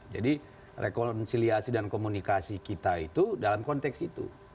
jadi rekonsiliasi dan komunikasi kita itu dalam konteks itu